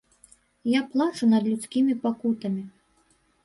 Я плачу над людскімі пакутамі.